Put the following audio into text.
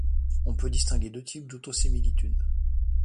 On peut distinguer deux types d'autosimilitude.